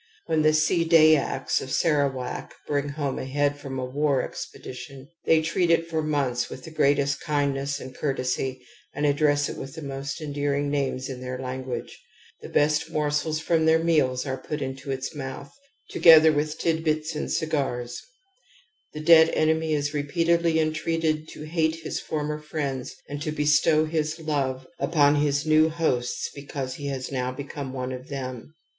When the See Dayaks of Sarawak bring home a head from a war expedition, they treat it for months with the greatest kindness and courtesy and address it with the most endearing names in their language. The best morsels from their meals are put into its mouth, to " Frazer, i.e., p. 166. 1* Paulitsohke, Ethnography of North east Africa, 64 TOTEM AND TABOO gether with titbits and cigars. The dead enemy is repeatedly entreated to hate his former friends and to bestow his love upon his new hosts because he has now become one of them.